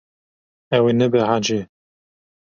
Ew ê nebehece.